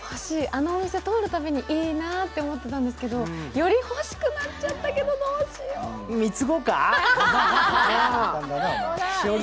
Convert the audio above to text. あのお店、通るたびにいいなって思ってたんですけど、より欲しくなっちゃったけど、どうしよう！